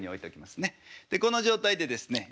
でこの状態でですね